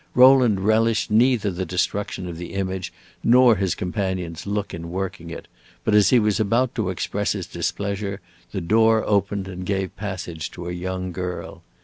Rowland relished neither the destruction of the image nor his companion's look in working it, but as he was about to express his displeasure the door opened and gave passage to a young girl.